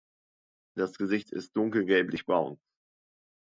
Das Gesicht ist dunkel gelblich-braun.